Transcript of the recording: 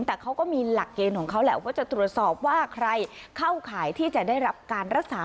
แต่เขาก็มีหลักเกณฑ์ของเขาแหละว่าจะตรวจสอบว่าใครเข้าข่ายที่จะได้รับการรักษา